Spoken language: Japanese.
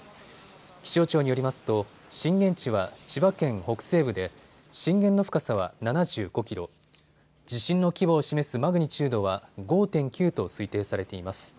気象庁によりますと震源地は千葉県北西部で震源の深さは７５キロ、地震の規模を示すマグニチュードは５．９と推定されています。